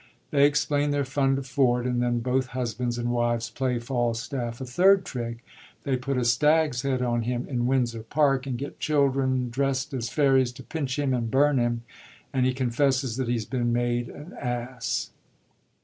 They explain their fun to Ford ; and then both husbands and wives play Falstafif a third trick : they put a stag's head on him in Windsor Park, and get children drest as fairies to pinch him and bum him ; and he confesses that he 's been made an ass.